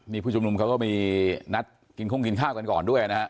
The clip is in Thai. นี่ผู้ชุมนุมเขาก็มีนัดกินคงกินข้าวกันก่อนด้วยนะฮะ